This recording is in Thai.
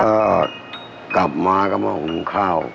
เอ่อกลับมาก็มาของข้าว